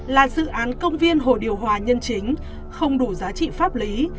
là dự án công viên hồ điều hòa nhân chính không đủ giá trị pháp lý